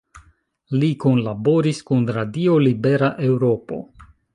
Li kunlaboris kun Radio Libera Eŭropo.